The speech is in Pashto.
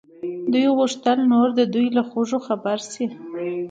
دوی غوښتل نور د دوی له خوړو خبر شي.